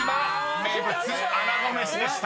名物あなごめしでした］